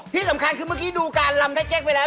ที่สำคัญคือเมื่อกี้ดูการลำไทเก๊กไปแล้ว